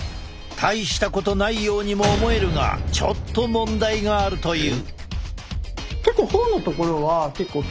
大したことないようにも思えるがちょっと問題があるという。